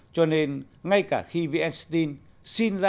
cho nên ngay cả khi vnstin xin ra